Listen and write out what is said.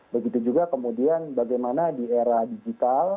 begitu juga kemudian bagaimana di era digital